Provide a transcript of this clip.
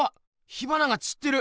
火花がちってる。